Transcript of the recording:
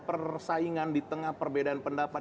persaingan di tengah perbedaan pendapat